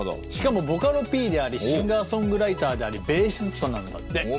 しかもボカロＰでありシンガーソングライターでありベーシストなんだって。